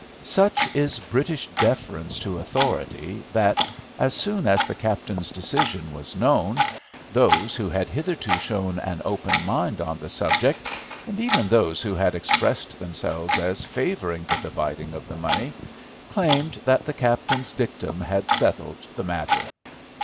Such is British deference to authority that, as soon as the captain's decision was known, those who had hitherto shown an open mind on the subject, and even those who had expressed themselves as favouring the dividing of the money, claimed that the captain's dictum had settled the matter.